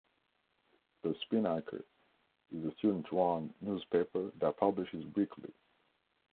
"The Spinnaker" is the student-run newspaper that publishes weekly.